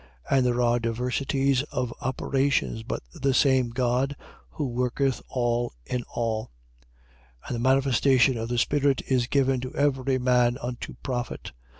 And there are diversities of operations, but the same God, who worketh all in all. 12:7. And the manifestation of the Spirit is given to every man unto profit. 12:8.